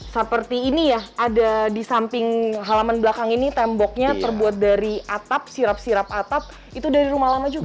seperti ini ya ada di samping halaman belakang ini temboknya terbuat dari atap sirap sirap atap itu dari rumah lama juga